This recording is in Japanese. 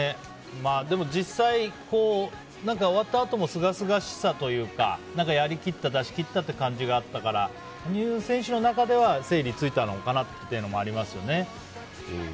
実際、終わったあともすがすがしさというかやりきった出し切ったという感じがあったから羽生選手の中では整理がついたのかなというのもありますね。